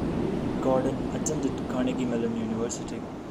Gordon attended Carnegie Mellon University.